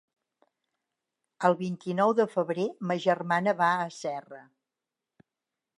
El vint-i-nou de febrer ma germana va a Serra.